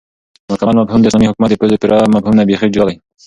مكمل مفهوم داسلامي حكومت دپوره مفهوم نه بيخي جدا دى